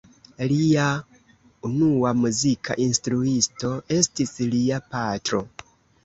Lia unua muzika instruisto estis lia patro.